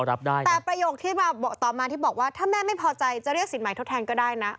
แต่ประโยคที่มาบอกต่อมาที่บอกว่าถ้าแม่ไม่พอใจจะเรียกสินใหม่ทดแทนก็ได้นะ